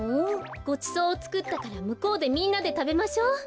ごちそうをつくったからむこうでみんなでたべましょう。